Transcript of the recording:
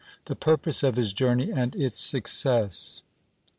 The purpose of his journey and its success.